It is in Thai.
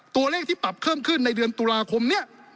ตัวเลขที่ปรับเพิ่มขึ้นในเดือนตุลาคมนี้